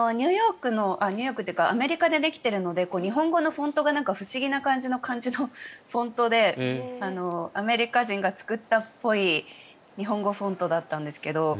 あと、アメリカでできているので日本語のフォントが不思議な感じの漢字のフォントでアメリカ人が作ったっぽい日本語フォントだったんですが。